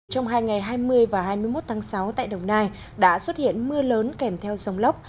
trong hai ngày hai mươi và hai mươi một tháng sáu tại đồng nai đã xuất hiện mưa lớn kèm theo dòng lốc